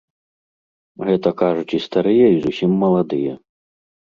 Гэтак кажуць і старыя й зусім маладыя.